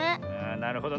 なるほどね。